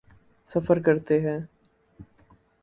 سفر کرتے ہیں۔